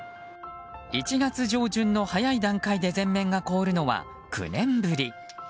１月上旬の早い段階で全面が凍るのは９年ぶり。